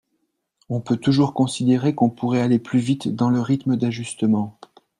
On peut toujours considérer qu’on pourrait aller plus vite dans le rythme d’ajustement.